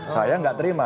saya nggak terima